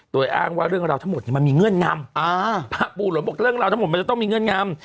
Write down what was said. โดยอ้างว่าเรื่องราวทั้งหมดมันมีเงื่อนงำพระปู่หลวบอกเรื่องราวทั้งหมดมันจะต้องมีเงื่อนงำ